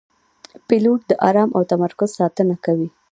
پیلوټ د آرام او تمرکز ساتنه کوي.